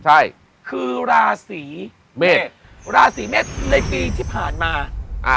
ใช่คือราศีเมษราศีเมษในปีที่ผ่านมาอ่า